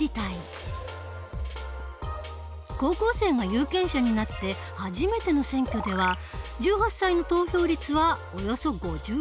高校生が有権者になって初めての選挙では１８歳の投票率はおよそ５１％。